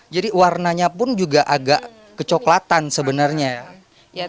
jadi warnanya pun juga agak kecoklatan sebenarnya ya